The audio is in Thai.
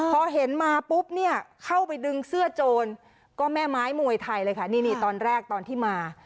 พอเห็นมาปุ๊บเนี่ยเข้าไปดึงเสื้อโจรก็แม่ไม้มวยไทยเลยค่ะนี่นี่ตอนแรกตอนที่มา